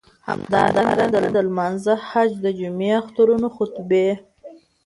همدارنګه د لمانځه، حج، د جمعی، اخترونو خطبی.